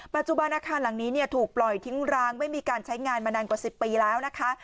ปัจจุบันอาคารหลังนี้ถูกปล่อยทิ้งร้างไม่มีการใช้งานมานานกว่า๑๐ปีแล้วนะคะ